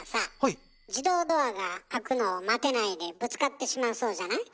自動ドアが開くのを待てないでぶつかってしまうそうじゃない。